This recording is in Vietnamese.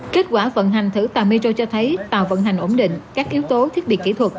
kết quả vận hành thử tàu metro cho thấy tàu vận hành ổn định các yếu tố thiết bị kỹ thuật